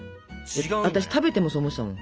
私食べてもそう思ってたもん。